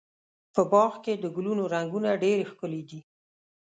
په باغ کې د ګلونو رنګونه ډېر ښکلي دي.